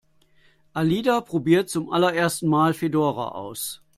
Alida probiert zum allerersten Mal Fedora aus.